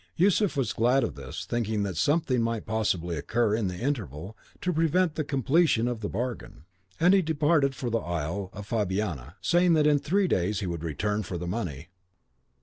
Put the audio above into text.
Yusuf was glad of this, thinking that something might possibly occur in the interval to prevent the completion of the bargain, and he departed for the isle of Fabiana, saying that in three days he would return for the money.